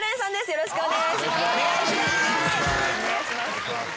よろしくお願いします。